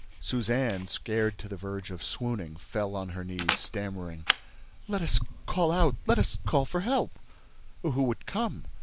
Suzanne, scared to the verge of swooning, fell on her knees, stammering: "Let us call out—let us call for help—" "Who would come?